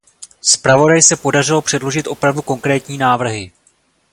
Zpravodaji se podařilo předložit opravdu konkrétní návrhy.